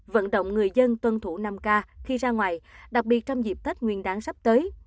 vận động người dân tuân thủ năm k khi ra ngoài đặc biệt trong dịp tết nguyên đáng sắp tới